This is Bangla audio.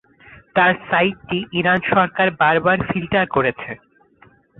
তার সাইটটি ইরান সরকার বারবার ফিল্টার করেছে।